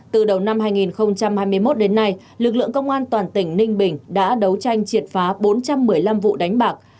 từ đầu năm hai nghìn hai mươi một đến nay lực lượng công an toàn tỉnh ninh bình đã đấu tranh triệt phá bốn trăm một mươi năm vụ đánh bạc